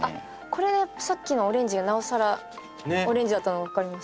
これでさっきのオレンジがなおさらオレンジだったのがわかります。